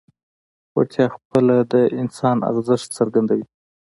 وړتیا خپله د انسان ارزښت څرګندوي.